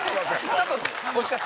ちょっと惜しかった。